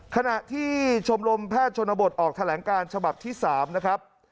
ขณะที่ชมรมแพทย์ชนบทออกแถลงการฉบับที่๓นะครับ